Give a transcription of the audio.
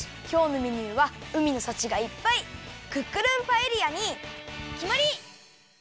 きょうのメニューはうみのさちがいっぱいクックルンパエリアにきまり！